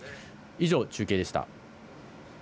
以上、中継でした。